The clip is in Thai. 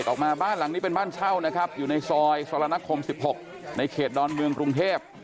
ออกมาบ้านหลังนี้เป็นบ้านเช่านะครับอยู่ในซอยสรณคม๑๖ในเขตดอนเมืองกรุงเทพ